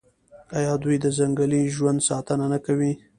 آیا دوی د ځنګلي ژوند ساتنه نه کوي؟